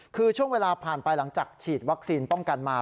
คือช่วงเวลาผ่านไปหลังจากฉีดวัคซีนป้องกันมา